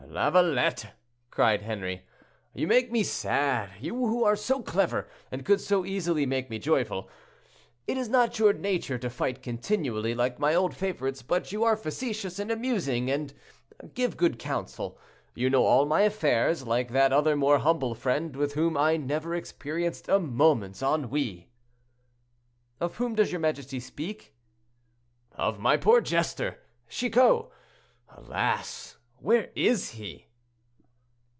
"Lavalette," cried Henri, "you make me sad; you who are so clever, and could so easily make me joyful. It is not your nature to fight continually, like my old favorites; but you are facetious and amusing, and give good counsel. You know all my affairs, like that other more humble friend, with whom I never experienced a moment's ennui." "Of whom does your majesty speak?" "Of my poor jester, Chicot. Alas! where is he?"